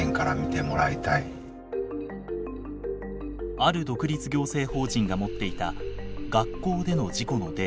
ある独立行政法人が持っていた学校での事故のデータ。